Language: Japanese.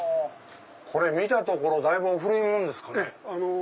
これ見たところだいぶお古いものですかね。